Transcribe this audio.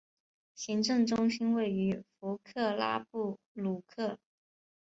行政中心位于弗克拉布鲁克。